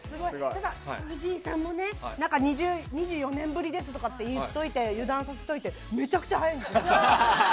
ただ、藤井さんもね、なんか２４年ぶりですとかって言っといて、油断させといて、めちゃくちゃ速いんですよ。